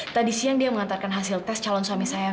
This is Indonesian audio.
tadi siang dia mengantarkan hasil tes calon suami saya